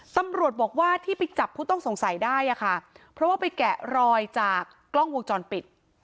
ตำรวจบอกว่าที่ไปจับผู้ต้องสงสัยได้อะค่ะเพราะว่าไปแกะรอยจากกล้องวงจรปิด